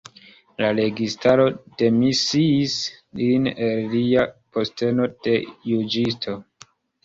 La registaro demisiis lin el lia posteno de juĝisto.